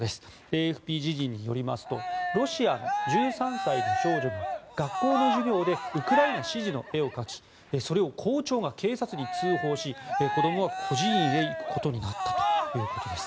ＡＦＰ＝時事によりますとロシアの１３歳の少女が学校の授業でウクライナ支持の絵を描きそれを校長が警察に通報し子どもは孤児院へ行くことになったということです。